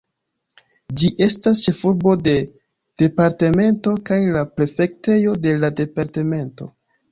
Ĝi estas ĉefurbo de departemento kaj la prefektejo de la departemento.